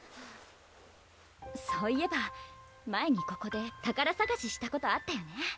そういえば前にここで宝さがししたことあったよね